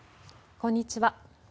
こんにちは。